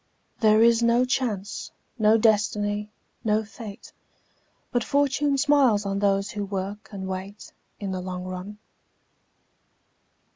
There is no Chance, no Destiny, no Fate, But Fortune smiles on those who work and wait, In the long run.